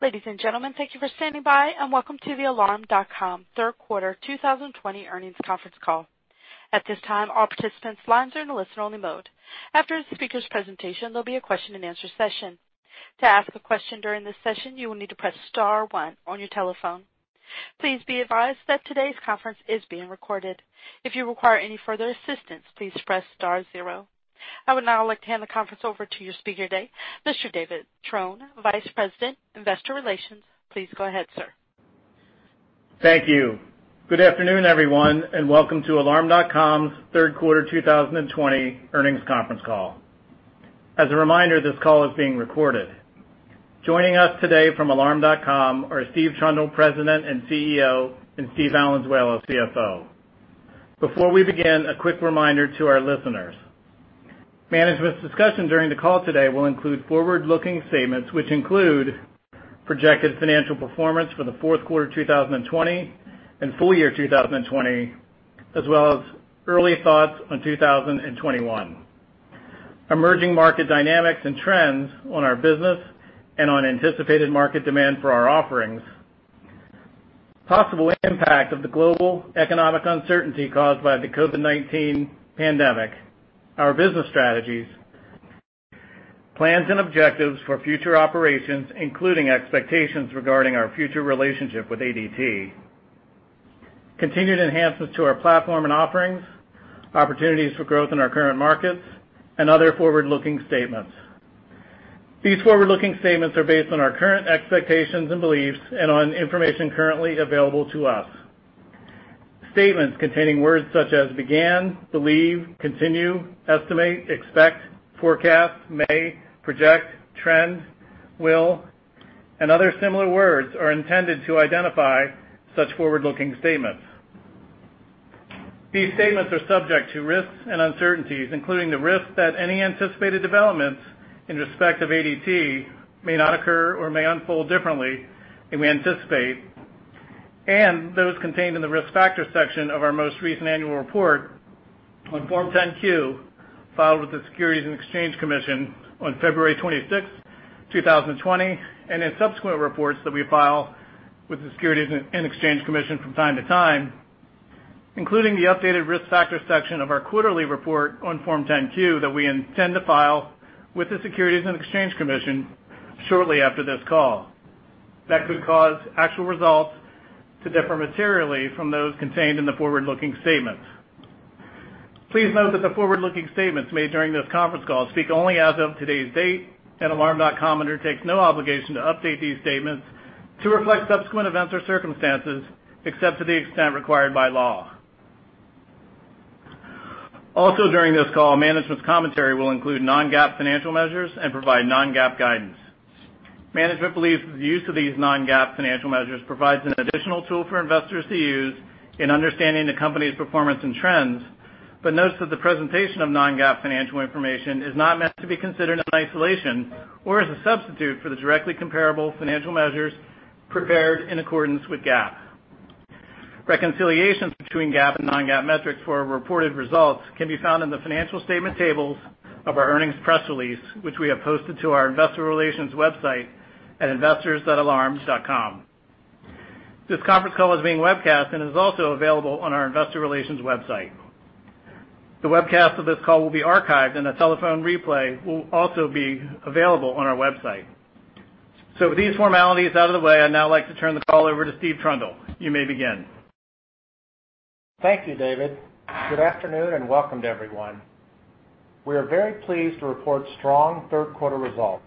Ladies and gentlemen, thank you for standing by, and welcome to the Alarm.com third quarter 2020 earnings conference call. At this time all participants are in a listen-only mode. After the speakers presentation there will be a question-and-answer session. To ask a question during the session, you will need to press star one on your telephone. Please be advised that today's conference is being recorded. If you require any further assistance, please press star zero. I would now like to hand the conference over to your speaker today, Mr. David Trone, Vice President, Investor Relations. Please go ahead, sir. Thank you. Good afternoon, everyone. Welcome to Alarm.com's third quarter 2020 earnings conference call. As a reminder, this call is being recorded. Joining us today from Alarm.com are Steve Trundle, President and CEO, and Steve Valenzuela, CFO. Before we begin, a quick reminder to our listeners. Management's discussion during the call today will include forward-looking statements, which include projected financial performance for the fourth quarter 2020 and full year 2020, as well as early thoughts on 2021. Emerging market dynamics and trends on our business and on anticipated market demand for our offerings. Possible impact of the global economic uncertainty caused by the COVID-19 pandemic. Our business strategies. Plans and objectives for future operations, including expectations regarding our future relationship with ADT. Continued enhancements to our platform and offerings. Opportunities for growth in our current markets, and other forward-looking statements. These forward-looking statements are based on our current expectations and beliefs and on information currently available to us. Statements containing words such as "began," "believe," "continue," "estimate," "expect," "forecast," "may," "project," "trend," "will," and other similar words are intended to identify such forward-looking statements. These statements are subject to risks and uncertainties, including the risk that any anticipated developments in respect of ADT may not occur or may unfold differently than we anticipate, and those contained in the Risk Factors section of our most recent annual report on Form 10-Q filed with the Securities and Exchange Commission on February 26, 2020, and in subsequent reports that we file with the Securities and Exchange Commission from time to time, including the updated Risk Factors section of our quarterly report on Form 10-Q that we intend to file with the Securities and Exchange Commission shortly after this call. That could cause actual results to differ materially from those contained in the forward-looking statements. Please note that the forward-looking statements made during this conference call speak only as of today's date, and Alarm.com undertakes no obligation to update these statements to reflect subsequent events or circumstances, except to the extent required by law. Also during this call, management's commentary will include non-GAAP financial measures and provide non-GAAP guidance. Management believes the use of these non-GAAP financial measures provides an additional tool for investors to use in understanding the company's performance and trends, but notes that the presentation of non-GAAP financial information is not meant to be considered in isolation or as a substitute for the directly comparable financial measures prepared in accordance with GAAP. Reconciliations between GAAP and non-GAAP metrics for our reported results can be found in the financial statement tables of our earnings press release, which we have posted to our investor relations website at investors.alarm.com. This conference call is being webcast and is also available on our Investor Relations website. The webcast of this call will be archived and a telephone replay will also be available on our website. With these formalities out of the way, I'd now like to turn the call over to Steve Trundle. You may begin. Thank you, David. Good afternoon, and welcome to everyone. We are very pleased to report strong third quarter results.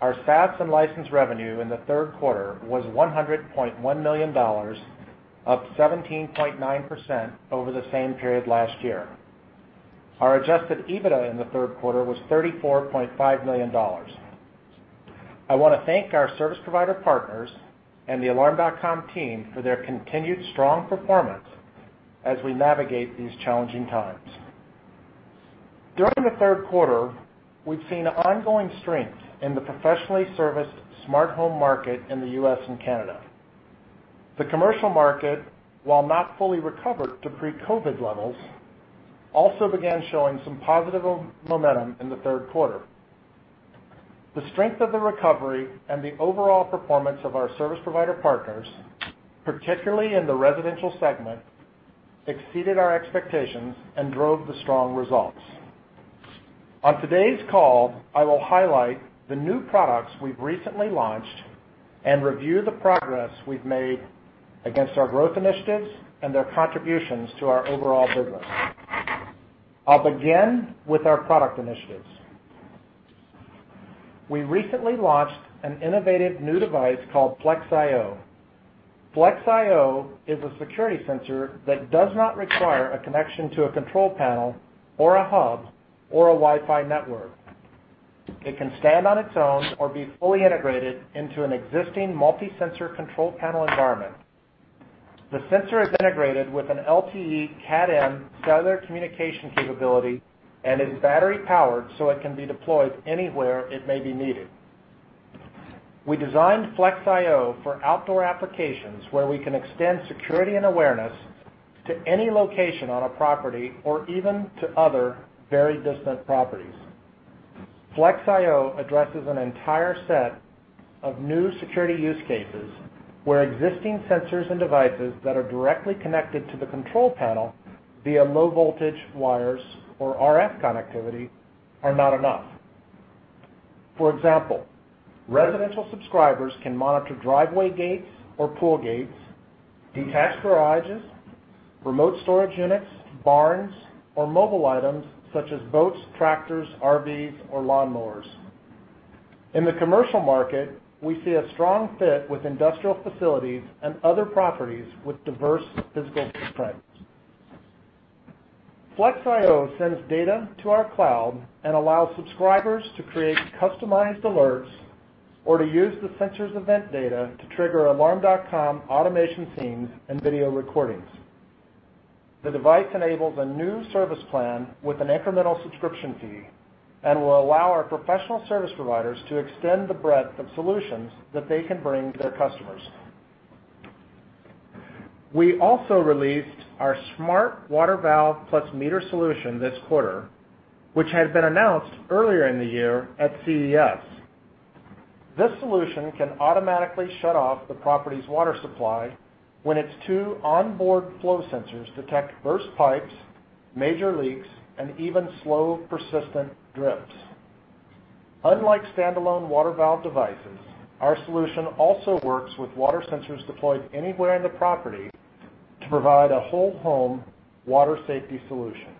Our SaaS and license revenue in the third quarter was $100.1 million, up 17.9% over the same period last year. Our adjusted EBITDA in the third quarter was $34.5 million. I want to thank our service provider partners and the Alarm.com team for their continued strong performance as we navigate these challenging times. During the third quarter, we've seen ongoing strength in the professionally serviced smart home market in the U.S. and Canada. The commercial market, while not fully recovered to pre-COVID levels, also began showing some positive momentum in the third quarter. The strength of the recovery and the overall performance of our service provider partners, particularly in the residential segment, exceeded our expectations and drove the strong results. On today's call, I will highlight the new products we've recently launched and review the progress we've made against our growth initiatives and their contributions to our overall business. I'll begin with our product initiatives. We recently launched an innovative new device called Flex IO. Flex IO is a security sensor that does not require a connection to a control panel, or a hub, or a Wi-Fi network. It can stand on its own or be fully integrated into an existing multi-sensor control panel environment. The sensor is integrated with an LTE Cat-M cellular communication capability and is battery-powered. It can be deployed anywhere it may be needed. We designed Flex IO for outdoor applications where we can extend security and awareness to any location on a property or even to other very distant properties. Flex IO addresses an entire set of new security use cases, where existing sensors and devices that are directly connected to the control panel via low voltage wires or RF connectivity are not enough. For example, residential subscribers can monitor driveway gates or pool gates, detached garages, remote storage units, barns, or mobile items such as boats, tractors, RVs or lawnmowers. In the commercial market, we see a strong fit with industrial facilities and other properties with diverse physical footprints. Flex IO sends data to our cloud and allows subscribers to create customized alerts or to use the sensor's event data to trigger Alarm.com automation scenes and video recordings. The device enables a new service plan with an incremental subscription fee and will allow our professional service providers to extend the breadth of solutions that they can bring to their customers. We also released our Smart Water Valve+Meter solution this quarter, which had been announced earlier in the year at CES. This solution can automatically shut off the property's water supply when its two onboard flow sensors detect burst pipes, major leaks, and even slow, persistent drips. Unlike standalone water valve devices, our solution also works with water sensors deployed anywhere on the property to provide a whole home water safety solution.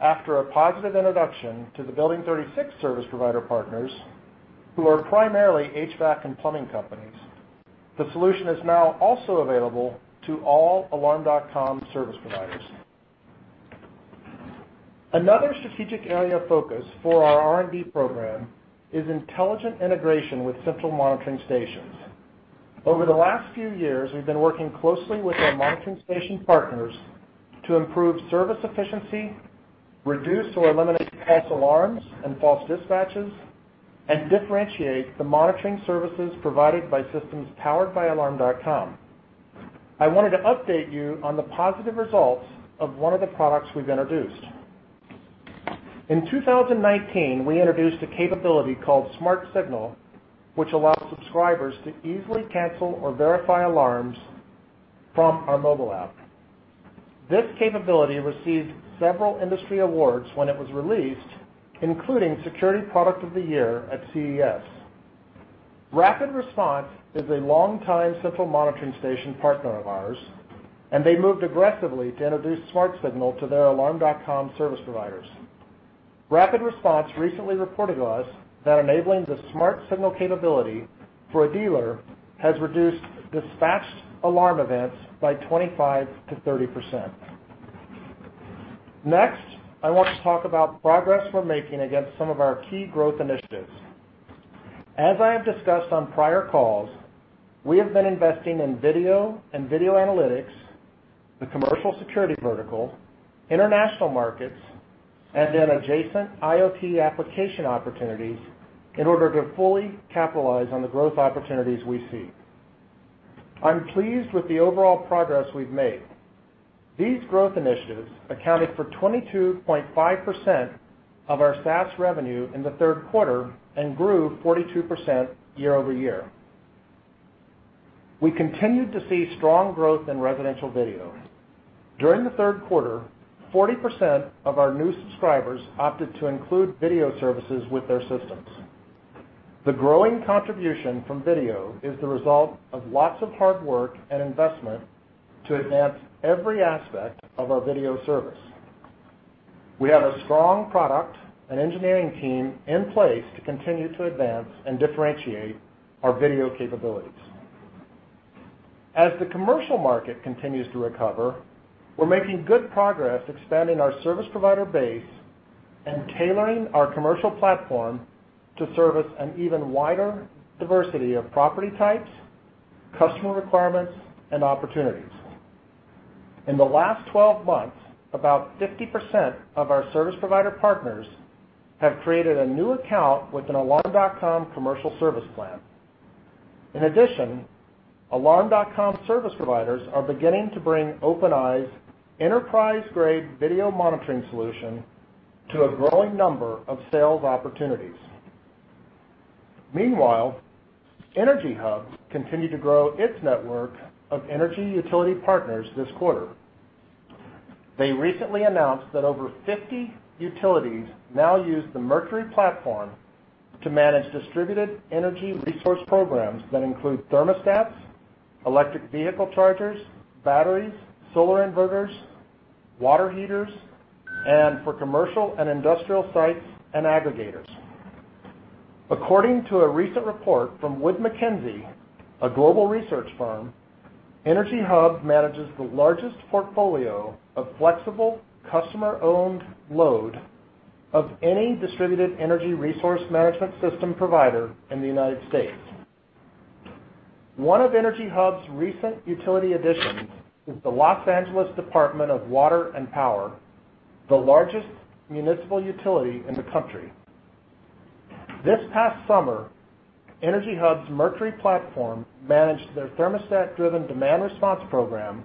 After a positive introduction to the Building 36 service provider partners, who are primarily HVAC and plumbing companies, the solution is now also available to all Alarm.com service providers. Another strategic area of focus for our R&D program is intelligent integration with central monitoring stations. Over the last few years, we've been working closely with our monitoring station partners to improve service efficiency, reduce or eliminate false alarms and false dispatches, and differentiate the monitoring services provided by systems powered by Alarm.com. I wanted to update you on the positive results of one of the products we've introduced. In 2019, we introduced a capability called Smart Signal, which allows subscribers to easily cancel or verify alarms from our mobile app. This capability received several industry awards when it was released, including Security Product of the Year at CES. Rapid Response is a longtime central monitoring station partner of ours. They moved aggressively to introduce Smart Signal to their Alarm.com service providers. Rapid Response recently reported to us that enabling the Smart Signal capability for a dealer has reduced dispatched alarm events by 25%-30%. Next, I want to talk about progress we're making against some of our key growth initiatives. As I have discussed on prior calls, we have been investing in video and video analytics, the commercial security vertical, international markets, and in adjacent IoT application opportunities in order to fully capitalize on the growth opportunities we see. I'm pleased with the overall progress we've made. These growth initiatives accounted for 22.5% of our SaaS revenue in the third quarter and grew 42% year-over-year. We continued to see strong growth in residential video. During the third quarter, 40% of our new subscribers opted to include video services with their systems. The growing contribution from video is the result of lots of hard work and investment to advance every aspect of our video service. We have a strong product and engineering team in place to continue to advance and differentiate our video capabilities. As the commercial market continues to recover, we're making good progress expanding our service provider base and tailoring our commercial platform to service an even wider diversity of property types, customer requirements, and opportunities. In the last 12 months, about 50% of our service provider partners have created a new account with an Alarm.com commercial service plan. In addition, Alarm.com service providers are beginning to bring OpenEye's enterprise-grade video monitoring solution to a growing number of sales opportunities. Meanwhile, EnergyHub continued to grow its network of energy utility partners this quarter. They recently announced that over 50 utilities now use the Mercury platform to manage distributed energy resource programs that include thermostats, electric vehicle chargers, batteries, solar inverters, water heaters, and for commercial and industrial sites and aggregators. According to a recent report from Wood Mackenzie, a global research firm, EnergyHub manages the largest portfolio of flexible, customer-owned load of any distributed energy resource management system provider in the U.S. One of EnergyHub's recent utility additions is the Los Angeles Department of Water and Power, the largest municipal utility in the country. This past summer, EnergyHub's Mercury platform managed their thermostat-driven demand response program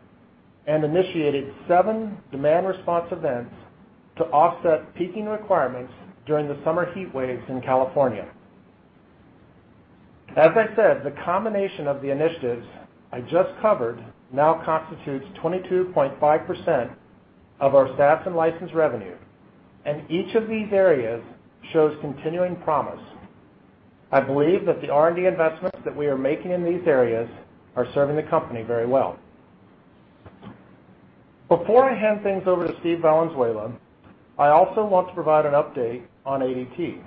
and initiated seven demand response events to offset peaking requirements during the summer heatwaves in California. As I said, the combination of the initiatives I just covered now constitutes 22.5% of our SaaS and license revenue, and each of these areas shows continuing promise. I believe that the R&D investments that we are making in these areas are serving the company very well. Before I hand things over to Steve Valenzuela, I also want to provide an update on ADT.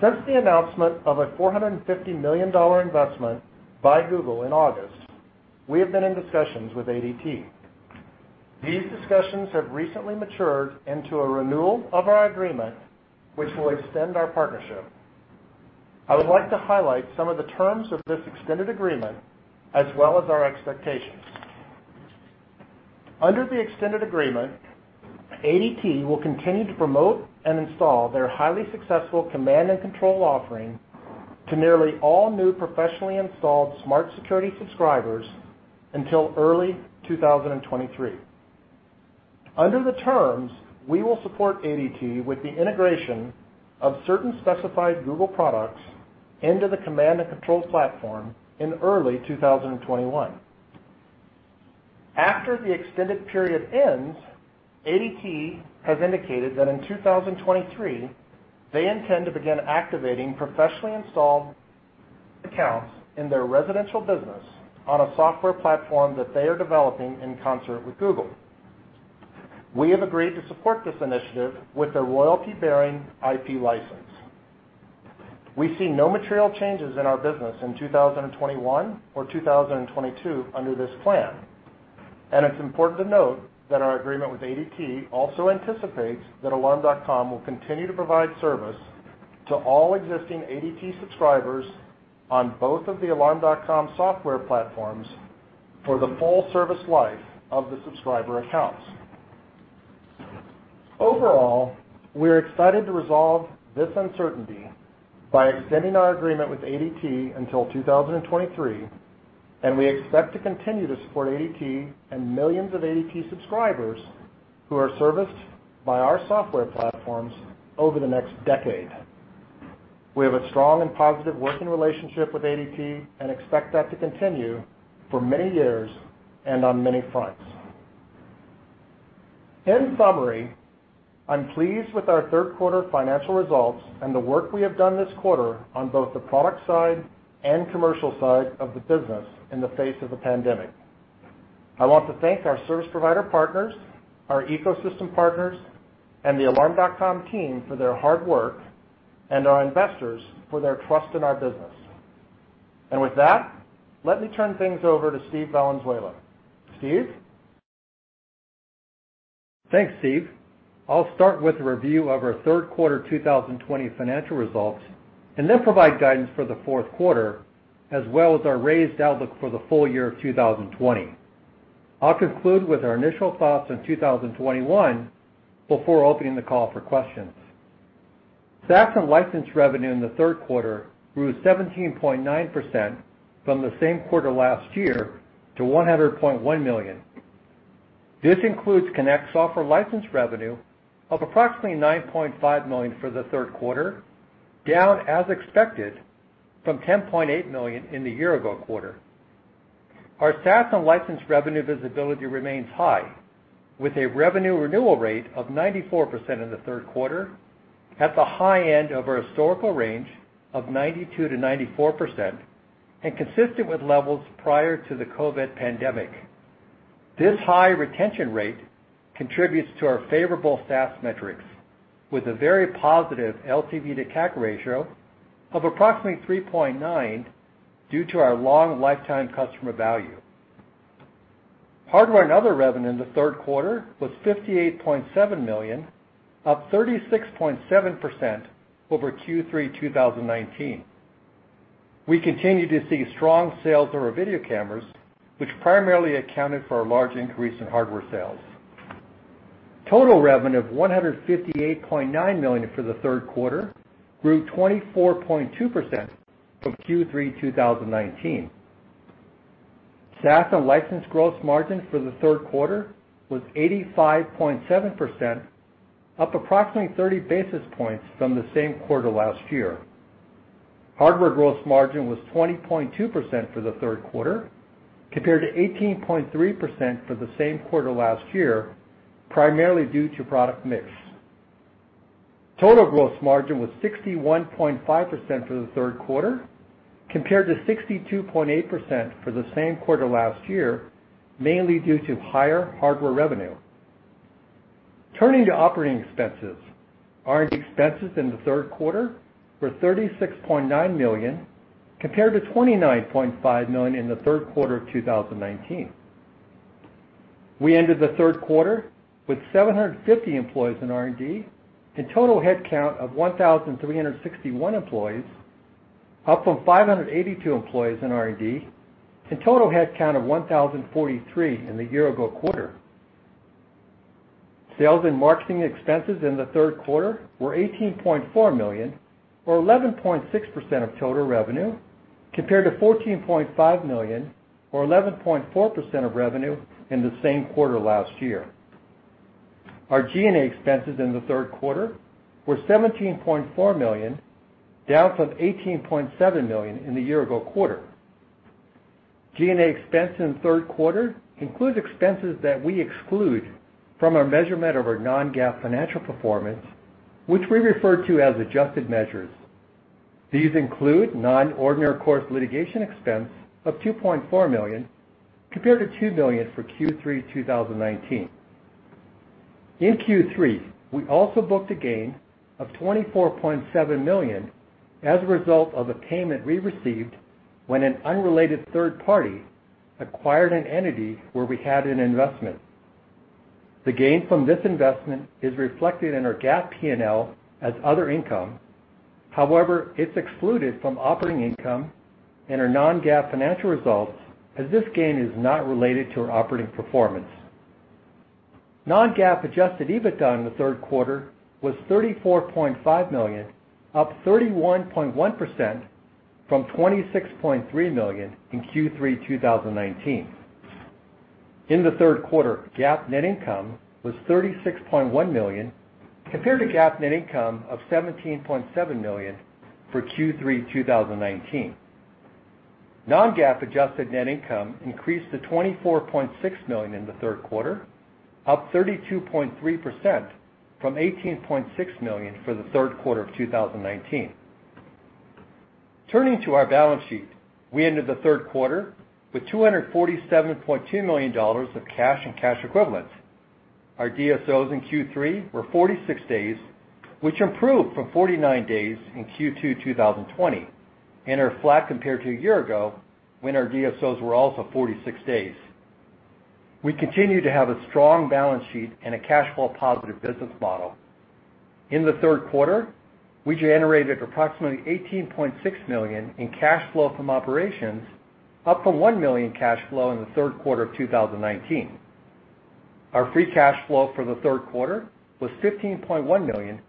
Since the announcement of a $450 million investment by Google in August, we have been in discussions with ADT. These discussions have recently matured into a renewal of our agreement, which will extend our partnership. I would like to highlight some of the terms of this extended agreement, as well as our expectations. Under the extended agreement, ADT will continue to promote and install their highly successful Command and Control offering to nearly all new professionally installed smart security subscribers until early 2023. Under the terms, we will support ADT with the integration of certain specified Google products into the Command and Control platform in early 2021. After the extended period ends, ADT has indicated that in 2023, they intend to begin activating professionally installed accounts in their residential business on a software platform that they are developing in concert with Google. We have agreed to support this initiative with a royalty-bearing IP license. We see no material changes in our business in 2021 or 2022 under this plan, and it's important to note that our agreement with ADT also anticipates that Alarm.com will continue to provide service to all existing ADT subscribers on both of the Alarm.com software platforms for the full service life of the subscriber accounts. Overall, we are excited to resolve this uncertainty by extending our agreement with ADT until 2023, and we expect to continue to support ADT and millions of ADT subscribers who are serviced by our software platforms over the next decade. We have a strong and positive working relationship with ADT and expect that to continue for many years and on many fronts. In summary, I'm pleased with our third quarter financial results and the work we have done this quarter on both the product side and commercial side of the business in the face of the pandemic. I want to thank our service provider partners, our ecosystem partners, and the Alarm.com team for their hard work, and our investors for their trust in our business. With that, let me turn things over to Steve Valenzuela. Steve? Thanks, Steve. I'll start with a review of our third quarter 2020 financial results and then provide guidance for the fourth quarter, as well as our raised outlook for the full year of 2020. I'll conclude with our initial thoughts on 2021 before opening the call for questions. SaaS and license revenue in the third quarter grew 17.9% from the same quarter last year to $100.1 million. This includes Connect software license revenue of approximately $9.5 million for the third quarter, down as expected from $10.8 million in the year-ago quarter. Our SaaS and license revenue visibility remains high, with a revenue renewal rate of 94% in the third quarter, at the high end of our historical range of 92%-94% and consistent with levels prior to the COVID pandemic. This high retention rate contributes to our favorable SaaS metrics, with a very positive LTV to CAC ratio of approximately 3.9 due to our long lifetime customer value. Hardware and other revenue in the third quarter was $58.7 million, up 36.7% over Q3 2019. We continue to see strong sales of our video cameras, which primarily accounted for our large increase in hardware sales. Total revenue of $158.9 million for the third quarter grew 24.2% from Q3 2019. SaaS and license gross margin for the third quarter was 85.7%, up approximately 30 basis points from the same quarter last year. Hardware gross margin was 20.2% for the third quarter, compared to 18.3% for the same quarter last year, primarily due to product mix. Total gross margin was 61.5% for the third quarter, compared to 62.8% for the same quarter last year, mainly due to higher hardware revenue. Turning to operating expenses, R&D expenses in the third quarter were $36.9 million, compared to $29.5 million in the third quarter of 2019. We ended the third quarter with 750 employees in R&D and total headcount of 1,361 employees, up from 582 employees in R&D and total headcount of 1,043 in the year-ago quarter. Sales and marketing expenses in the third quarter were $18.4 million, or 11.6% of total revenue, compared to $14.5 million, or 11.4% of revenue in the same quarter last year. Our G&A expenses in the third quarter were $17.4 million, down from $18.7 million in the year ago quarter. G&A expense in the third quarter includes expenses that we exclude from our measurement of our non-GAAP financial performance, which we refer to as adjusted measures. These include non-ordinary course litigation expense of $2.4 million, compared to $2 million for Q3 2019. In Q3, we also booked a gain of $24.7 million as a result of a payment we received when an unrelated third party acquired an entity where we had an investment. The gain from this investment is reflected in our GAAP P&L as other income. However, it's excluded from operating income and our non-GAAP financial results as this gain is not related to our operating performance. Non-GAAP adjusted EBITDA in the third quarter was $34.5 million, up 31.1% from $26.3 million in Q3 2019. In the third quarter, GAAP net income was $36.1 million compared to GAAP net income of $17.7 million for Q3 2019. Non-GAAP adjusted net income increased to $24.6 million in the third quarter, up 32.3% from $18.6 million for the third quarter of 2019. Turning to our balance sheet, we ended the third quarter with $247.2 million of cash and cash equivalents. Our DSOs in Q3 were 46 days, which improved from 49 days in Q2 2020 and are flat compared to a year ago when our DSOs were also 46 days. We continue to have a strong balance sheet and a cash flow positive business model. In the third quarter, we generated approximately $18.6 million in cash flow from operations, up from $1 million cash flow in the third quarter of 2019. Our free cash flow for the third quarter was $15.1 million,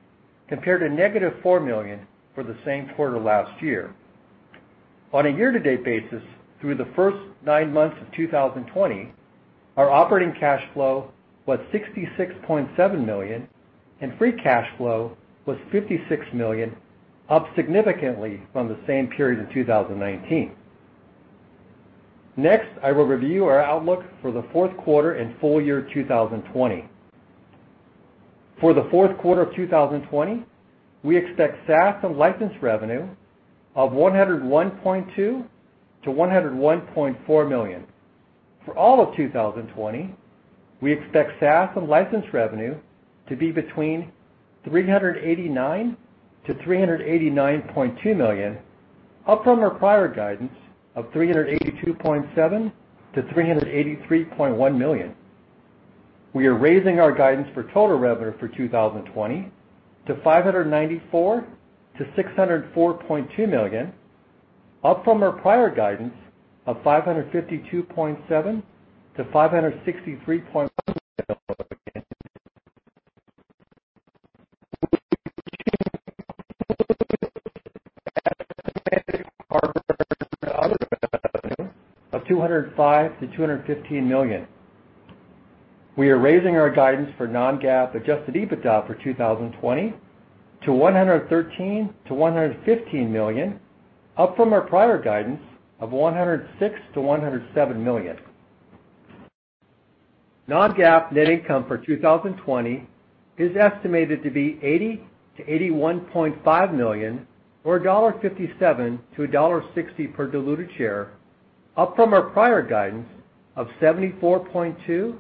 compared to $-4 million for the same quarter last year. On a year-to-date basis, through the first nine months of 2020, our operating cash flow was $66.7 million and free cash flow was $56 million, up significantly from the same period in 2019. Next, I will review our outlook for the fourth quarter and full year 2020. For the fourth quarter of 2020, we expect SaaS and license revenue of $101.2 million-$101.4 million. For all of 2020, we expect SaaS and license revenue to be between $389 million-$389.2 million, up from our prior guidance of $382.7 million-$383.1 million. We are raising our guidance for total revenue for 2020 to $594 million-$604.2 million, up from our prior guidance of $552.7 million-$563.1 million. Of $205 million-$215 million. We are raising our guidance for non-GAAP adjusted EBITDA for 2020 to $113 million-$115 million, up from our prior guidance of $106 million-$107 million. Non-GAAP net income for 2020 is estimated to be $80 million-$81.5 million, or $1.57-$1.60 per diluted share, up from our prior guidance of $74.2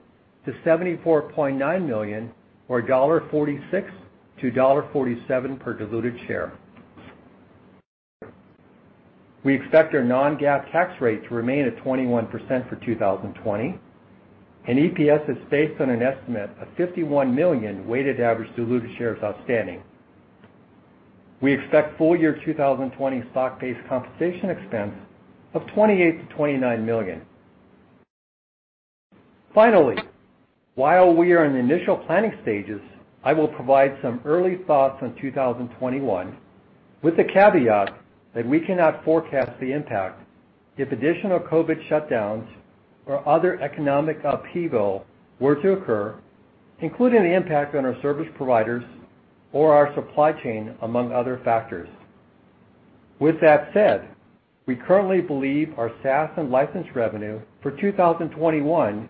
million-$74.9 million, or $1.46-$1.47 per diluted share. We expect our non-GAAP tax rate to remain at 21% for 2020. EPS is based on an estimate of 51 million weighted average diluted shares outstanding. We expect full year 2020 stock-based compensation expense of $28 million-$29 million. While we are in the initial planning stages, I will provide some early thoughts on 2021 with the caveat that we cannot forecast the impact if additional COVID shutdowns or other economic upheaval were to occur, including the impact on our service providers or our supply chain, among other factors. With that said, we currently believe our SaaS and license revenue for 2021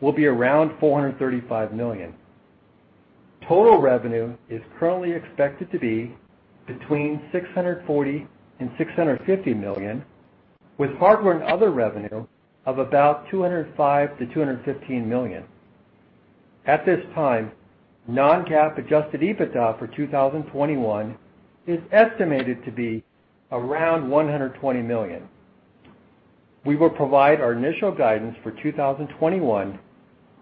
will be around $435 million. Total revenue is currently expected to be between $640 million and $650 million, with hardware and other revenue of about $205 million-$215 million. At this time, non-GAAP adjusted EBITDA for 2021 is estimated to be around $120 million. We will provide our initial guidance for 2021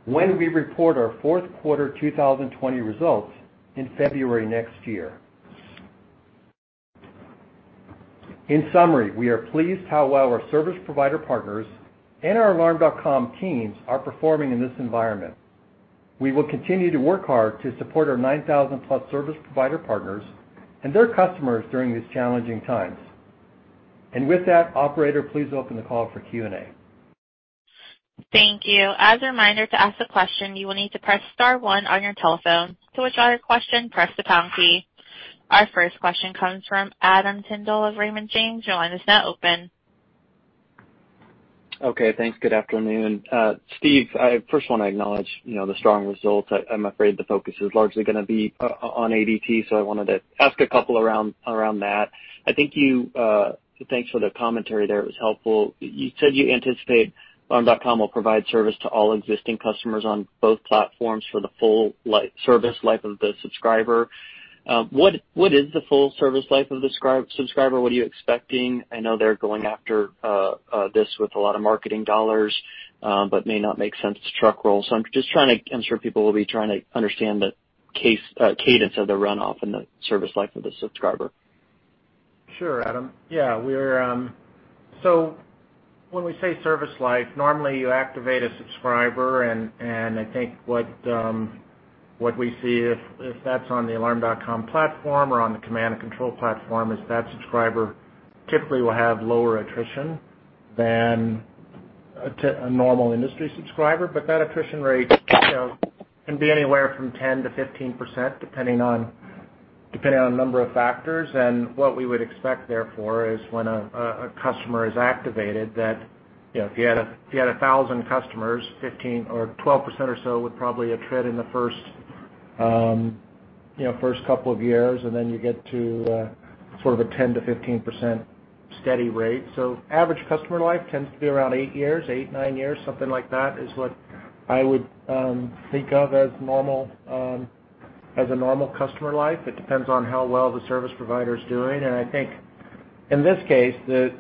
when we report our fourth quarter 2020 results in February next year. In summary, we are pleased how well our service provider partners and our Alarm.com teams are performing in this environment. We will continue to work hard to support our 9,000-plus service provider partners and their customers during these challenging times. With that, operator, please open the call for Q&A. Thank you. As a reminder, to ask a question, you will need to press star one on your telephone. To withdraw your question, press the pound key. Our first question comes from Adam Tindle of Raymond James. Your line is now open. Okay, thanks. Good afternoon. Steve, I first want to acknowledge the strong results. I'm afraid the focus is largely going to be on ADT, so I wanted to ask a couple around that. Thanks for the commentary there. It was helpful. You said you anticipate Alarm.com will provide service to all existing customers on both platforms for the full service life of the subscriber. What is the full service life of the subscriber? What are you expecting? I know they're going after this with a lot of marketing dollars, but may not make sense to truck roll. I'm just trying to, I'm sure people will be trying to understand the cadence of the runoff and the service life of the subscriber. Sure, Adam. Yeah. When we say service life, normally you activate a subscriber, and I think what we see if that's on the Alarm.com platform or on the Command and Control platform, is that subscriber typically will have lower attrition than a normal industry subscriber. That attrition rate can be anywhere from 10%-15%, depending on a number of factors. What we would expect therefore is when a customer is activated, that if you had 1,000 customers, 15% or 12% or so would probably attrit in the first couple of years. You get to a 10%-15% steady rate. Average customer life tends to be around eight years, eight, nine years, something like that, is what I would think of as a normal customer life. It depends on how well the service provider is doing. I think in this case, the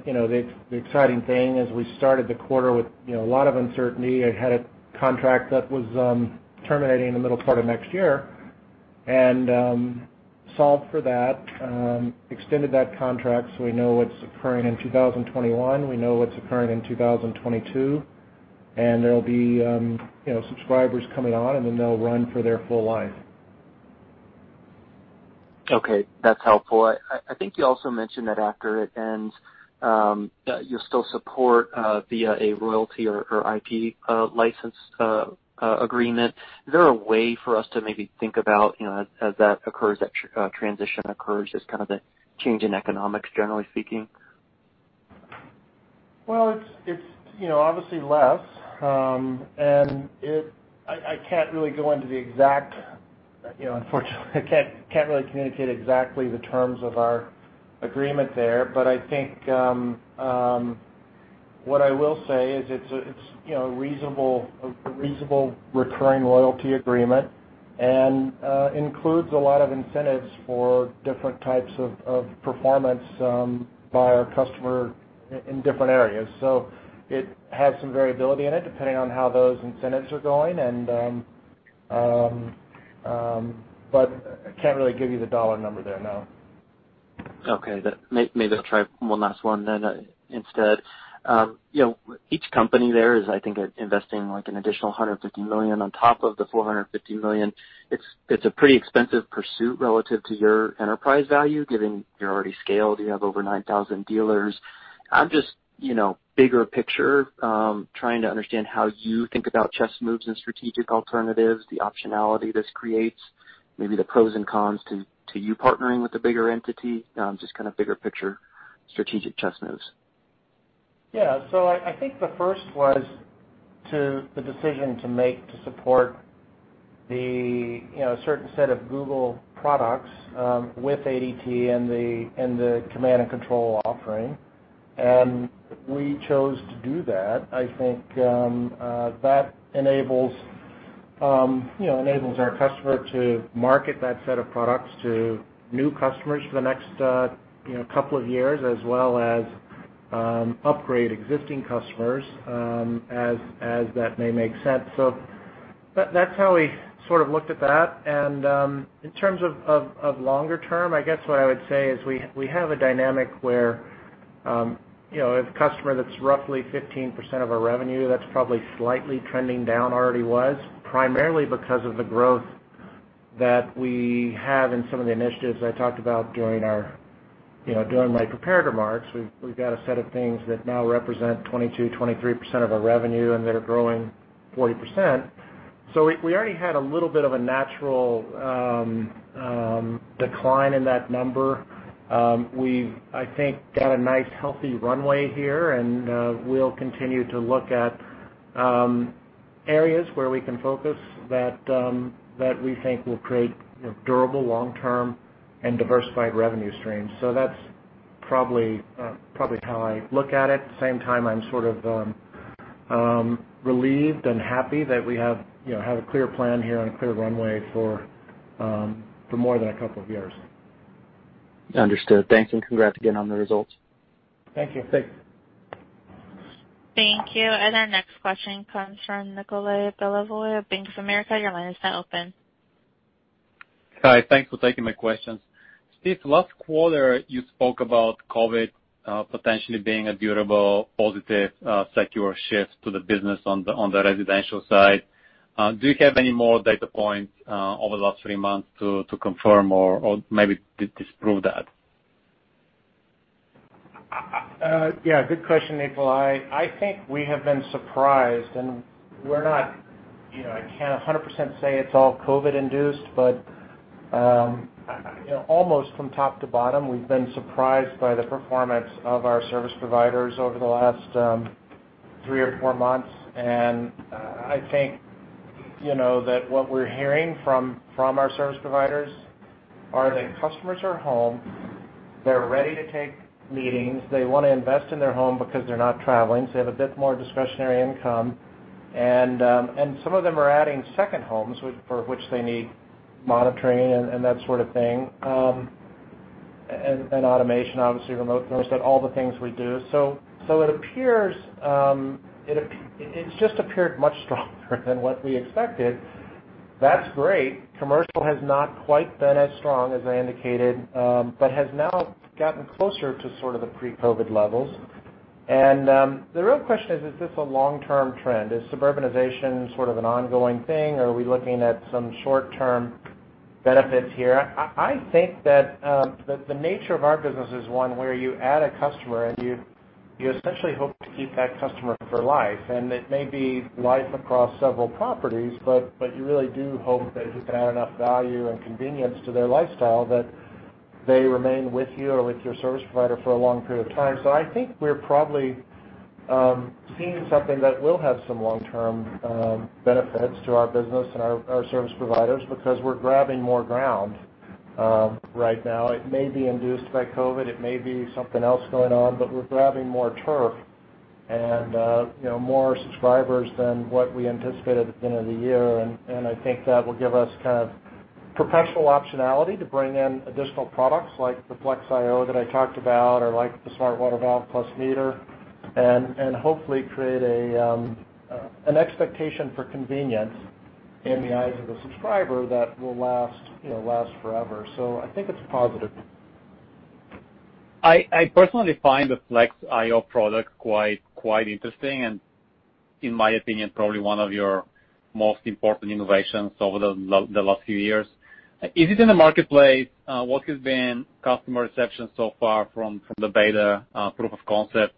exciting thing is we started the quarter with a lot of uncertainty. I had a contract that was terminating in the middle part of next year and solved for that, extended that contract so we know what's occurring in 2021, we know what's occurring in 2022. There'll be subscribers coming on, and then they'll run for their full life. Okay. That's helpful. I think you also mentioned that after it ends, you'll still support via a royalty or IP license agreement. Is there a way for us to maybe think about, as that transition occurs, just the change in economics, generally speaking? It's obviously less. I can't really go into the exact, unfortunately, I can't really communicate exactly the terms of our agreement there. I think, what I will say is it's a reasonable recurring royalty agreement and includes a lot of incentives for different types of performance by our customer in different areas. It has some variability in it, depending on how those incentives are going, I can't really give you the dollar number there, no. Okay. Maybe I'll try one last one instead. Each company there is, I think, investing an additional $150 million on top of the $450 million. It's a pretty expensive pursuit relative to your enterprise value, given you're already scaled, you have over 9,000 dealers. I'm just, bigger picture, trying to understand how you think about chess moves and strategic alternatives, the optionality this creates, maybe the pros and cons to you partnering with a bigger entity. Just bigger picture, strategic chess moves. Yeah. I think the first was the decision to make to support the certain set of Google products with ADT and the Command and Control offering. We chose to do that. I think that enables our customer to market that set of products to new customers for the next couple of years, as well as upgrade existing customers, as that may make sense. That's how we looked at that. In terms of longer term, I guess what I would say is we have a dynamic where a customer that's roughly 15% of our revenue, that's probably slightly trending down already was, primarily because of the growth that we have in some of the initiatives I talked about during my prepared remarks. We've got a set of things that now represent 22%, 23% of our revenue, and they're growing 40%. We already had a little bit of a natural decline in that number. We've got a nice healthy runway here, and we'll continue to look at areas where we can focus that we think will create durable long-term and diversified revenue streams. That's probably how I look at it. At the same time, I'm sort of relieved and happy that we have a clear plan here and a clear runway for more than a couple of years. Understood. Thanks, and congrats again on the results. Thank you. Thank you. Our next question comes from Nikolay Beliov of Bank of America. Your line is now open. Hi. Thanks for taking my questions. Steve, last quarter you spoke about COVID potentially being a durable positive secular shift to the business on the residential side. Do you have any more data points over the last three months to confirm or maybe disprove that? Yeah, good question, Nikolay. I think we have been surprised, and I can't 100% say it's all COVID induced, but almost from top to bottom, we've been surprised by the performance of our service providers over the last three or four months. I think that what we're hearing from our service providers are that customers are home, they're ready to take meetings, they want to invest in their home because they're not traveling, so they have a bit more discretionary income. Some of them are adding second homes, for which they need monitoring and that sort of thing, and automation, obviously remote, all the things we do. It's just appeared much stronger than what we expected. That's great. Commercial has not quite been as strong, as I indicated, but has now gotten closer to sort of the pre-COVID levels. The real question is this a long-term trend? Is suburbanization sort of an ongoing thing, or are we looking at some short-term benefits here? I think that the nature of our business is one where you add a customer and you essentially hope to keep that customer for life. It may be life across several properties, but you really do hope that you can add enough value and convenience to their lifestyle that they remain with you or with your service provider for a long period of time. I think we're probably seeing something that will have some long-term benefits to our business and our service providers because we're grabbing more ground right now. It may be induced by COVID, it may be something else going on, but we're grabbing more turf and more subscribers than what we anticipated at the end of the year. I think that will give us professional optionality to bring in additional products like the Flex IO that I talked about, or like the Smart Water Valve+Meter, and hopefully create an expectation for convenience in the eyes of the subscriber that will last forever. I think it's positive. I personally find the Flex IO product quite interesting and in my opinion, probably one of your most important innovations over the last few years. Is it in the marketplace? What has been customer reception so far from the beta proof of concept?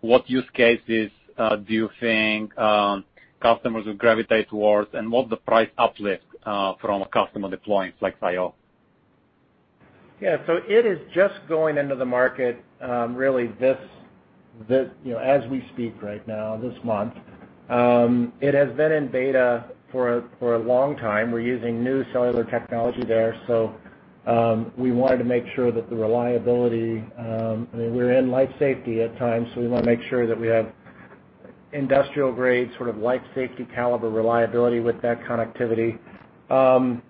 What use cases do you think customers would gravitate towards? What the price uplift from a customer deploying Flex IO? Yeah. It is just going into the market really as we speak right now, this month. It has been in beta for a long time. We're using new cellular technology there, so we wanted to make sure that the reliability. We're in life safety at times, so we want to make sure that we have industrial-grade, life safety caliber reliability with that connectivity.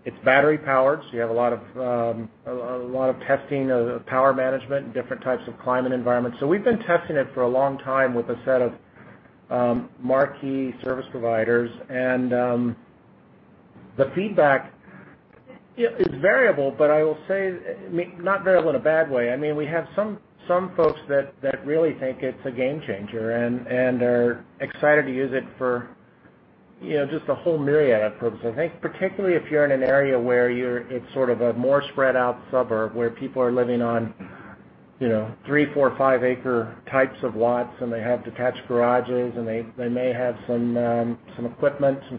It's battery powered, so you have a lot of testing of power management and different types of climate environments. We've been testing it for a long time with a set of marquee service providers. The feedback is variable, but I will say, not variable in a bad way. We have some folks that really think it's a game changer and are excited to use it for just a whole myriad of purposes. I think particularly if you're in an area where it's sort of a more spread out suburb where people are living on three, four, five acre types of lots and they have detached garages and they may have some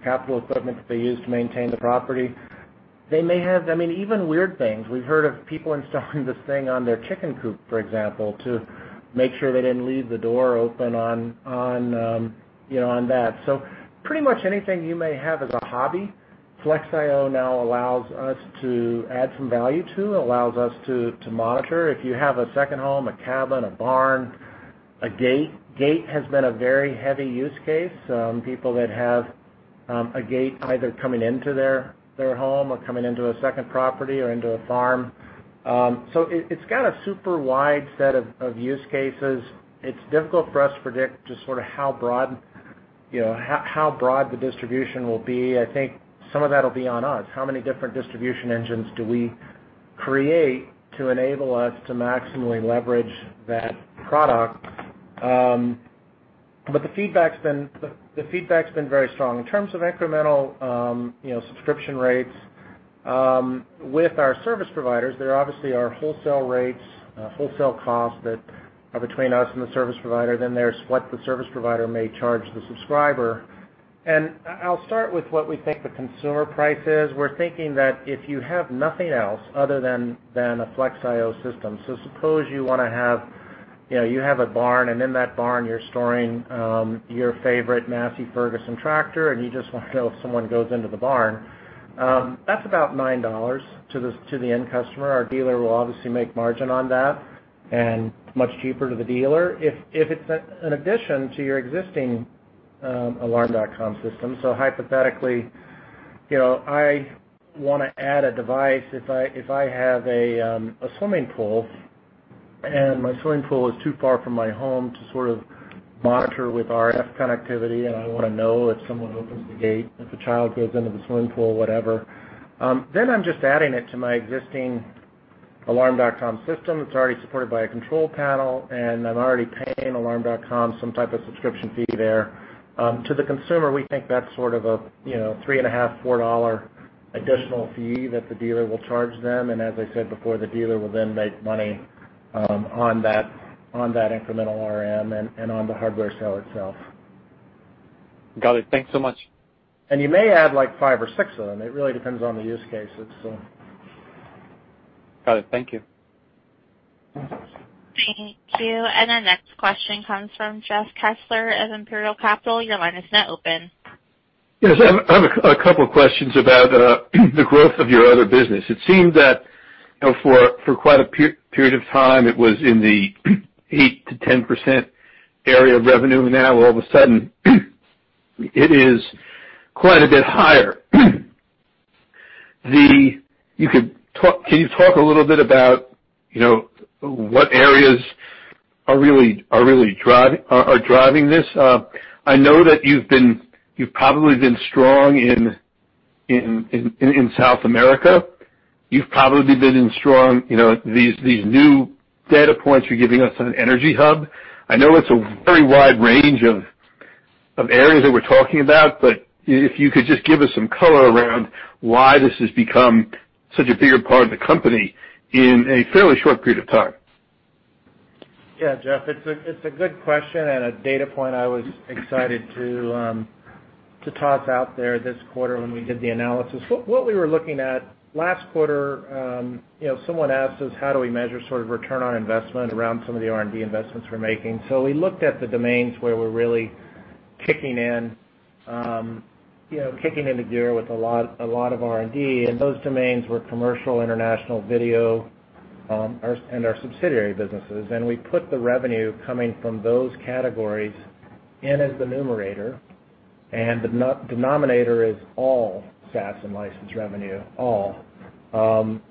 capital equipment that they use to maintain the property. They may have even weird things. We've heard of people installing this thing on their chicken coop, for example, to make sure they didn't leave the door open on that. Pretty much anything you may have as a hobby, Flex IO now allows us to add some value to, allows us to monitor. If you have a second home, a cabin, a barn, a gate. Gate has been a very heavy use case. People that have a gate either coming into their home or coming into a second property or into a farm. It's got a super wide set of use cases. It's difficult for us to predict just how broad the distribution will be. I think some of that will be on us. How many different distribution engines do we create to enable us to maximally leverage that product? The feedback's been very strong. In terms of incremental subscription rates with our service providers, there obviously are wholesale rates, wholesale costs that are between us and the service provider, then there's what the service provider may charge the subscriber. I'll start with what we think the consumer price is. We're thinking that if you have nothing else other than a Flex IO system, suppose you have a barn, and in that barn you're storing your favorite Massey Ferguson tractor and you just want to know if someone goes into the barn. That's about $9 to the end customer. Our dealer will obviously make margin on that, and much cheaper to the dealer. If it's an addition to your existing Alarm.com system, so hypothetically, I want to add a device if I have a swimming pool and my swimming pool is too far from my home to sort of monitor with RF connectivity, and I want to know if someone opens the gate, if a child goes into the swimming pool, whatever, then I'm just adding it to my existing Alarm.com system that's already supported by a control panel, and I'm already paying Alarm.com some type of subscription fee there. To the consumer, we think that's sort of a three and a half, four dollars additional fee that the dealer will charge them. As I said before, the dealer will then make money on that incremental RMR and on the hardware sale itself. Got it. Thanks so much. You may add five or six of them. It really depends on the use cases. Got it. Thank you. Thank you. Our next question comes from Jeff Kessler of Imperial Capital. Your line is now open. Yes, I have a couple questions about the growth of your other business. It seems that for quite a period of time, it was in the 8%-10% area of revenue. Now, all of a sudden, it is quite a bit higher. Can you talk a little bit about what areas are driving this? I know that you've probably been strong in South America. You've probably been in strong, these new data points you're giving us on EnergyHub. I know it's a very wide range of areas that we're talking about, but if you could just give us some color around why this has become such a bigger part of the company in a fairly short period of time. Jeff, it's a good question and a data point I was excited to toss out there this quarter when we did the analysis. What we were looking at last quarter, someone asked us how do we measure sort of return on investment around some of the R&D investments we're making. We looked at the domains where we're really kicking into gear with a lot of R&D, and those domains were commercial, international, video, and our subsidiary businesses. We put the revenue coming from those categories in as the numerator, and the denominator is all SaaS and license revenue. All.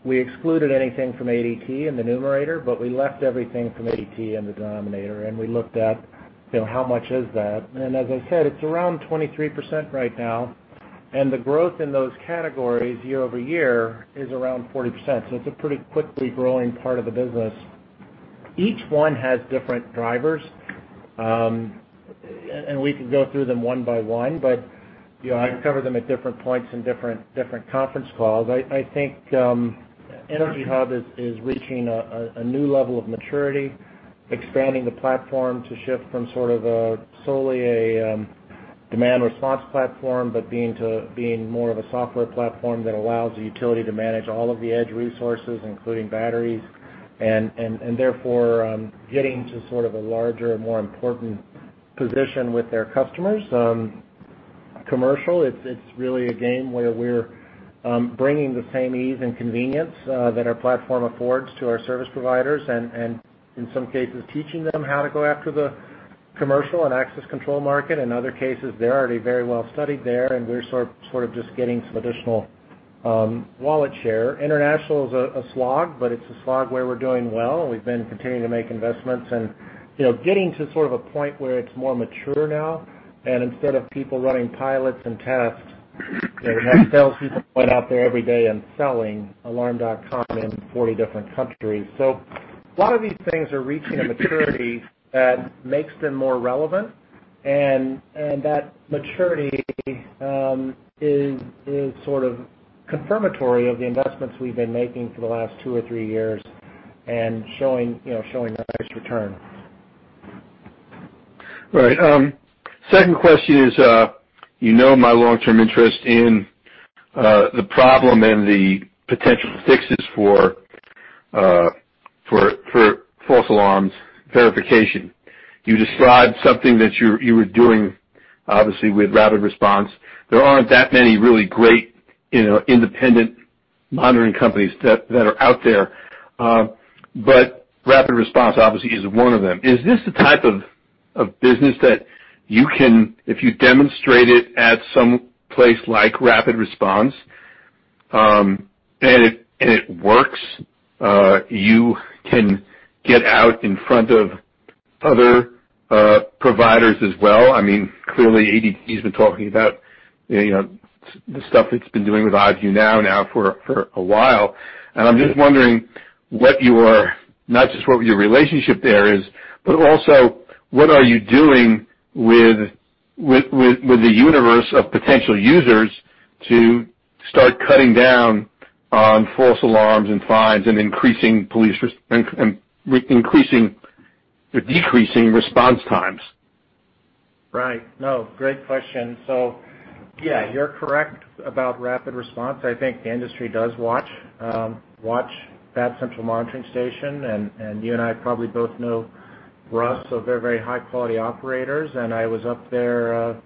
We excluded anything from ADT in the numerator, but we left everything from ADT in the denominator, and we looked at how much is that. Then as I said, it's around 23% right now, and the growth in those categories year-over-year is around 40%. It's a pretty quickly growing part of the business. Each one has different drivers. We can go through them one by one, but I cover them at different points in different conference calls. I think EnergyHub is reaching a new level of maturity, expanding the platform to shift from sort of a solely a demand response platform, but being more of a software platform that allows the utility to manage all of the edge resources, including batteries, and therefore, getting to sort of a larger and more important position with their customers. Commercial, it's really a game where we're bringing the same ease and convenience that our platform affords to our service providers and, in some cases, teaching them how to go after the commercial and access control market. In other cases, they're already very well studied there, and we're sort of just getting some additional wallet share. International is a slog, but it's a slog where we're doing well, and we've been continuing to make investments and getting to sort of a point where it's more mature now. Instead of people running pilots and tests, we have salespeople going out there every day and selling Alarm.com in 40 different countries. A lot of these things are reaching a maturity that makes them more relevant, and that maturity is sort of confirmatory of the investments we've been making for the last two or three years and showing a nice return. Right. Second question is, you know my long-term interest in the problem and the potential fixes for false alarms verification. You described something that you were doing, obviously, with Rapid Response. There aren't that many really great independent monitoring companies that are out there. Rapid Response obviously is one of them. Is this the type of business that you can, if you demonstrate it at some place like Rapid Response, and it works, you can get out in front of other providers as well? Clearly, ADT's been talking about the stuff it's been doing with I-View Now for a while. I'm just wondering not just what your relationship there is, but also what are you doing with the universe of potential users to start cutting down on false alarms and fines and decreasing response times. Right. No, great question. Yeah, you're correct about Rapid Response. I think the industry does watch that central monitoring station, and you and I probably both know Russ are very high-quality operators. I was up there a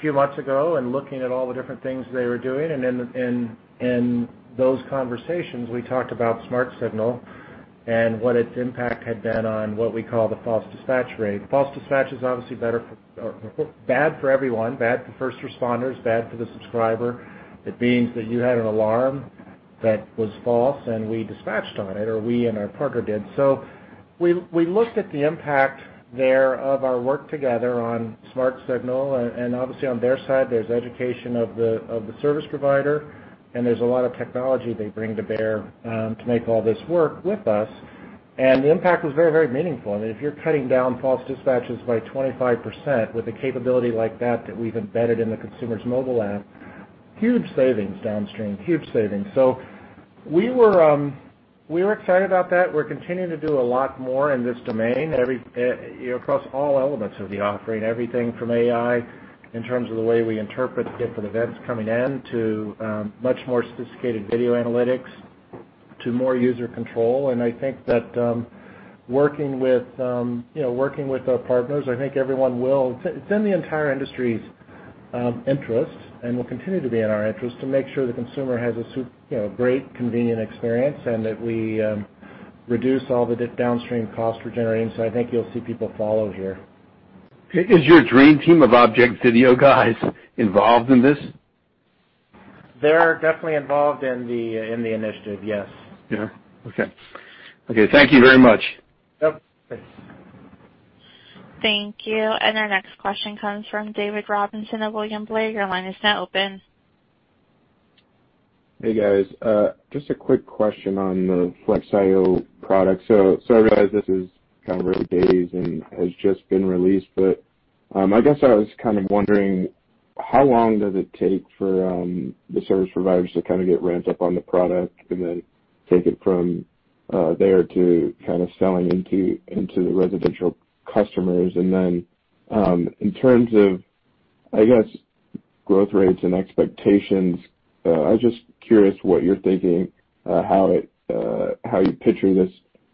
few months ago and looking at all the different things they were doing. In those conversations, we talked about Smart Signal and what its impact had been on what we call the false dispatch rate. False dispatch is obviously bad for everyone, bad for first responders, bad for the subscriber. It means that you had an alarm that was false, and we dispatched on it, or we and our partner did. We looked at the impact there of our work together on Smart Signal, and obviously on their side, there's education of the service provider, and there's a lot of technology they bring to bear to make all this work with us. The impact was very meaningful. I mean, if you're cutting down false dispatches by 25% with a capability like that we've embedded in the consumer's mobile app, huge savings downstream. We were excited about that. We're continuing to do a lot more in this domain, across all elements of the offering, everything from AI in terms of the way we interpret different events coming in, to much more sophisticated video analytics, to more user control. I think that working with our partners, I think everyone will. It's in the entire industry's interest and will continue to be in our interest to make sure the consumer has a great, convenient experience and that we reduce all the downstream costs we're generating. I think you'll see people follow here. Is your dream team of ObjectVideo guys involved in this? They're definitely involved in the initiative, yes. Yeah. Okay. Thank you very much. Yep. Thanks. Thank you. Our next question comes from David Robinson of William Blair. Your line is now open. Hey, guys. Just a quick question on the Flex IO product. I realize this is kind of early days and has just been released, but I guess I was kind of wondering how long does it take for the service providers to get ramped up on the product and then take it from there to selling into the residential customers? In terms of growth rates and expectations, I was just curious what you're thinking, how you picture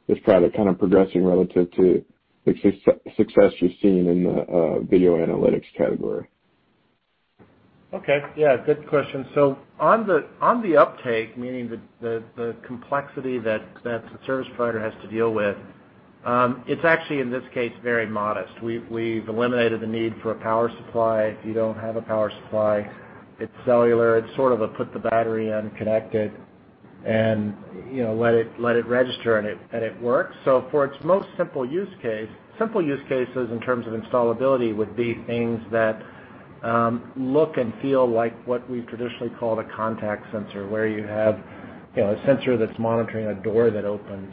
this product progressing relative to the success you've seen in the video analytics category. Okay. Yeah, good question. On the uptake, meaning the complexity that the service provider has to deal with, it's actually, in this case, very modest. We've eliminated the need for a power supply. If you don't have a power supply, it's cellular. It's sort of a put the battery in, connect it, and let it register, and it works. For its most simple use cases in terms of installability would be things that look and feel like what we've traditionally called a contact sensor, where you have a sensor that's monitoring a door that opens,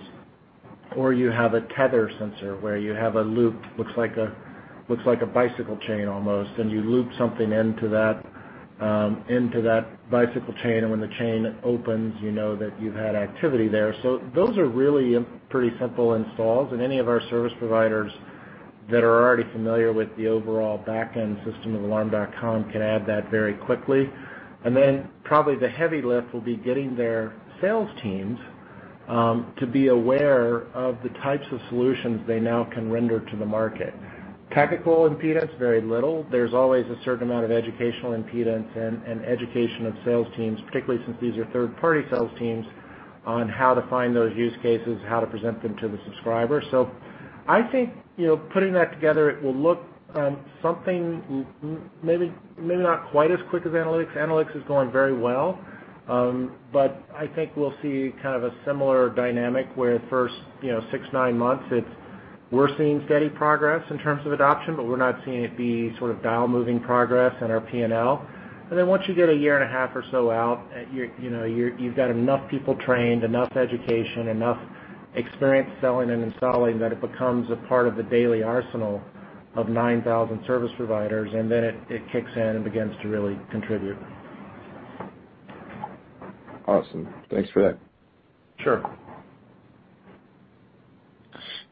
or you have a tether sensor where you have a loop, looks like a bicycle chain almost, and you loop something into that bicycle chain, and when the chain opens, you know that you've had activity there. Those are really pretty simple installs, and any of our service providers that are already familiar with the overall back-end system of Alarm.com can add that very quickly. Probably the heavy lift will be getting their sales teams to be aware of the types of solutions they now can render to the market. Technical impedance, very little. There's always a certain amount of educational impedance and education of sales teams, particularly since these are third-party sales teams, on how to find those use cases, how to present them to the subscriber. I think, putting that together, it will look something maybe not quite as quick as analytics. Analytics is going very well. I think we'll see a similar dynamic where the first six, nine months, we're seeing steady progress in terms of adoption, but we're not seeing it be sort of dial-moving progress in our P&L. Once you get a year and a half or so out, you've got enough people trained, enough education, enough experience selling and installing that it becomes a part of the daily arsenal of 9,000 service providers, and then it kicks in and begins to really contribute. Awesome. Thanks for that. Sure.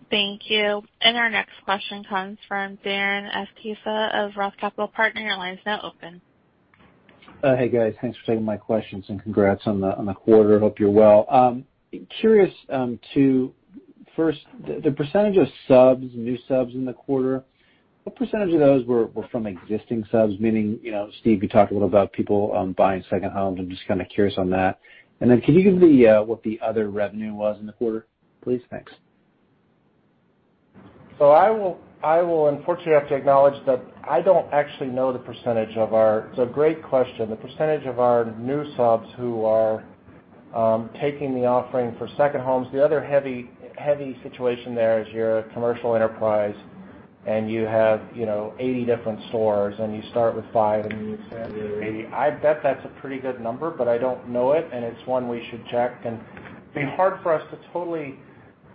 Thank you. Our next question comes from Darren Aftahi of Roth Capital Partners. Your line is now open. Hey, guys. Thanks for taking my questions, and congrats on the quarter. Hope you're well. Curious to first, the percentage of new subs in the quarter, what percentage of those were from existing subs? Meaning, Steve, you talked a little about people buying second homes. I'm just curious on that. Can you give what the other revenue was in the quarter, please? Thanks. I will unfortunately have to acknowledge that I don't actually know the percentage. It's a great question. The percentage of our new subs who are taking the offering for second homes. The other heavy situation there is you're a commercial enterprise and you have 80 different stores and you start with five and you expand to 80. I bet that's a pretty good number, but I don't know it, and it's one we should check. It'd be hard for us to totally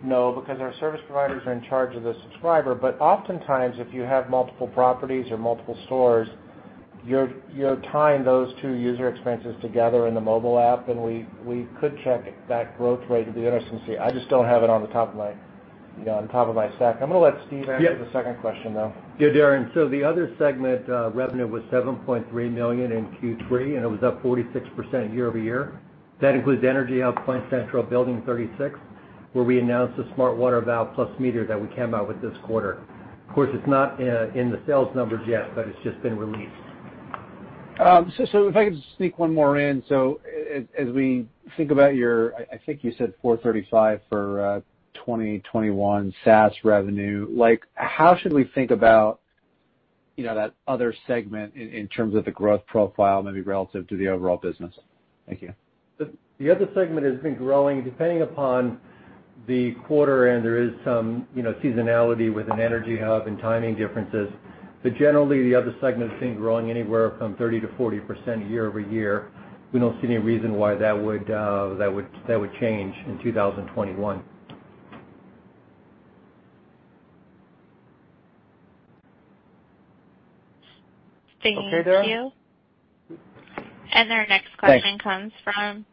know because our service providers are in charge of the subscriber. Oftentimes, if you have multiple properties or multiple stores, you're tying those two user experiences together in the mobile app, and we could check that growth rate. It'd be interesting to see. I just don't have it on the top of my stack. I'm going to let Steve answer the second question, though. Yeah, Darren. The other segment revenue was $7.3 million in Q3, and it was up 46% year-over-year. That includes EnergyHub, PointCentral, Building 36, where we announced the Smart Water Valve+Meter that we came out with this quarter. Of course, it's not in the sales numbers yet, but it's just been released. If I could just sneak one more in. As we think about your, I think you said $435 for 2021 SaaS revenue, how should we think about that other segment in terms of the growth profile, maybe relative to the overall business? Thank you. The other segment has been growing depending upon the quarter, and there is some seasonality within EnergyHub and timing differences. Generally, the other segment's been growing anywhere from 30%-40% year-over-year. We don't see any reason why that would change in 2021. Thank you. Okay, Darren? Thanks. Our next question comes from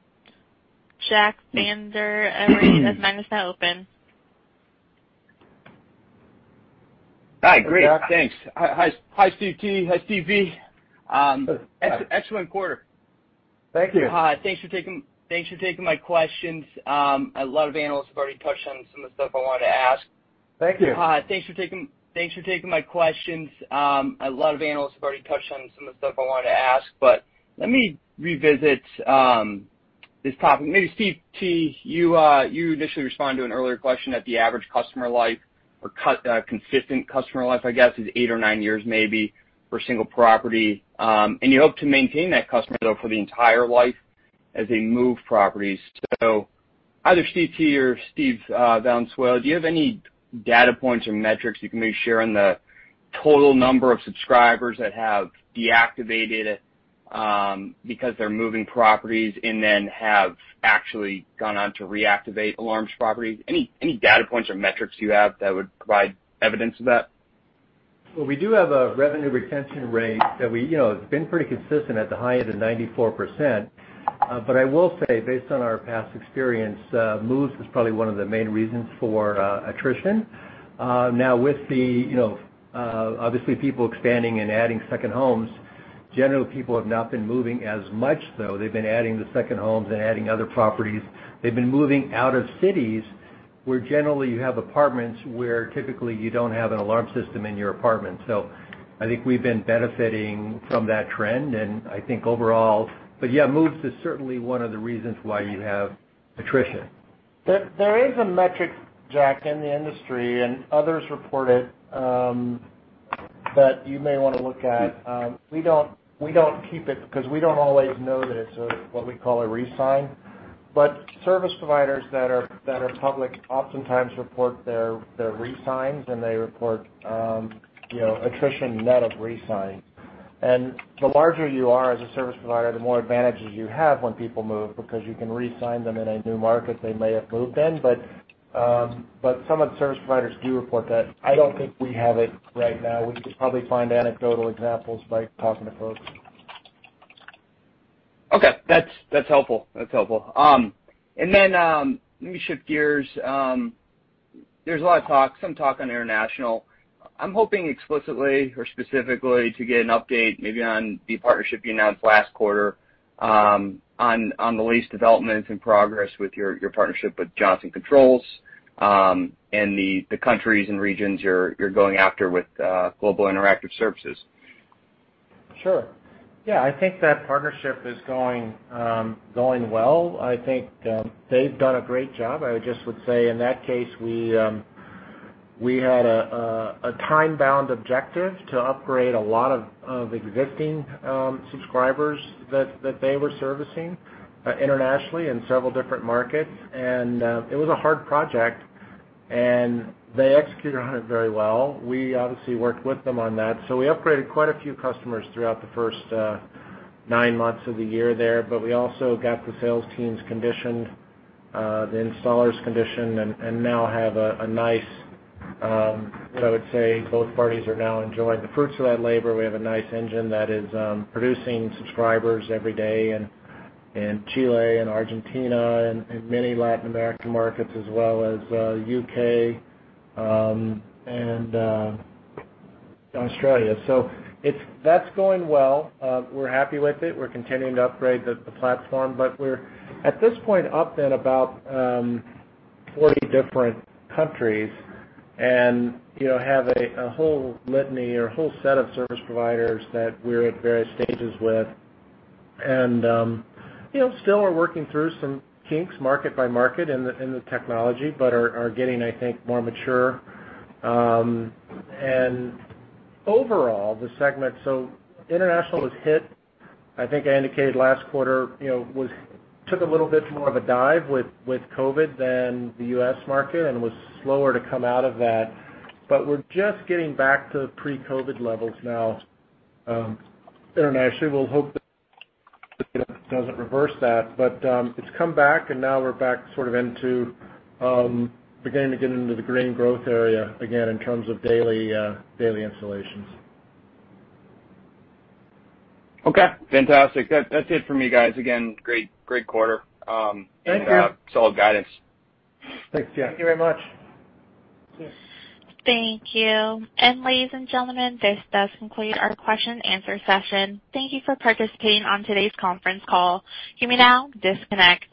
Jack Vander Aarde of Maxim. Your line is open. Hi, great. Jack, thanks. Hi, Steve T. Hi, Steve V. Excellent quarter. Thank you. Thanks for taking my questions. A lot of analysts have already touched on some of the stuff I wanted to ask. Thank you. Thanks for taking my questions. A lot of analysts have already touched on some of the stuff I wanted to ask, but let me revisit this topic. Maybe Steve T, you initially responded to an earlier question that the average customer life or consistent customer life, I guess, is eight or nine years maybe for a single property. You hope to maintain that customer, though, for the entire life as they move properties. Either Steve T or Steve Valenzuela, do you have any data points or metrics you can maybe share on the total number of subscribers that have deactivated because they're moving properties and then have actually gone on to reactivate alarms properties? Any data points or metrics you have that would provide evidence of that? Well, we do have a revenue retention rate that has been pretty consistent at the high end of 94%. I will say, based on our past experience, moves was probably one of the main reasons for attrition. Now with the obviously people expanding and adding second homes, generally people have not been moving as much, though. They've been adding the second homes and adding other properties. They've been moving out of cities where generally you have apartments where typically you don't have an alarm system in your apartment. I think we've been benefiting from that trend, and I think overall. Yeah, moves is certainly one of the reasons why you have attrition. There is a metric, Jack, in the industry, and others report it, that you may want to look at. We don't keep it because we don't always know that it's what we call a re-sign, but service providers that are public oftentimes report their re-signs, and they report attrition net of re-sign. The larger you are as a service provider, the more advantages you have when people move, because you can re-sign them in a new market they may have moved in. Some of the service providers do report that. I don't think we have it right now. We could probably find anecdotal examples by talking to folks. Okay. That's helpful. Let me shift gears. There's a lot of talk, some talk on international. I'm hoping explicitly or specifically to get an update maybe on the partnership you announced last quarter, on the latest developments in progress with your partnership with Johnson Controls, and the countries and regions you're going after with Global Interactive Services. Sure. Yeah, I think that partnership is going well. I think they've done a great job. I just would say in that case, we had a time-bound objective to upgrade a lot of existing subscribers that they were servicing internationally in several different markets, and it was a hard project, and they executed on it very well. We obviously worked with them on that. We upgraded quite a few customers throughout the first nine months of the year there, but we also got the sales teams conditioned, the installers conditioned, and now have a nice, I would say both parties are now enjoying the fruits of that labor. We have a nice engine that is producing subscribers every day in Chile and Argentina and many Latin American markets as well as U.K. and Australia. That's going well. We're happy with it. We're continuing to upgrade the platform, but we're, at this point, up in about 40 different countries and have a whole litany or a whole set of service providers that we're at various stages with. Still we're working through some kinks market by market in the technology, but are getting, I think, more mature. Overall, the segment, so international was hit. I think I indicated last quarter, took a little bit more of a dive with COVID than the U.S. market and was slower to come out of that. We're just getting back to pre-COVID levels now internationally. We'll hope that doesn't reverse that. It's come back, and now we're back sort of into beginning to get into the green growth area again in terms of daily installations. Okay, fantastic. That's it from me, guys. Again, great quarter. Thank you. Solid guidance. Thanks, Jack. Thank you very much. Thank you. Ladies and gentlemen, this does conclude our question-and-answer session. Thank you for participating on today's conference call. You may now disconnect.